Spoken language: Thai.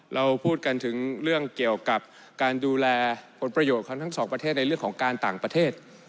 เราพูดกันถึงเรื่องเกี่ยวกับการดูแลผลประโยชน์ของทั้งสองประเทศในเรื่องของการต่างประเทศ